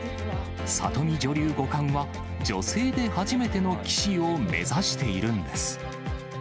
里見女流五冠は、女性で初めての棋士を目指しているんです。